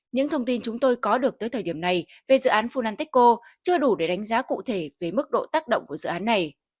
những thông tin chúng tôi có được tới thời điểm này về dự án fulantecco chưa đủ để đánh giá cụ thể về mức độ tác động của dự án này